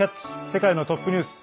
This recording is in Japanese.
世界のトップニュース」。